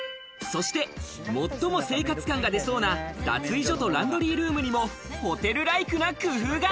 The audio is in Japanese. そして、最も生活感が出そうな脱衣所とランドリールームにもホテルライクな工夫が。